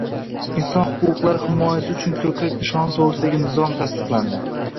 Inson huquqlari himoyasi uchun ko‘krak nishoni to‘g‘risidagi nizom tasdiqlandi